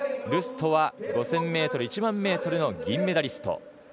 ルストは５０００ｍ１００００ｍの銀メダリスト。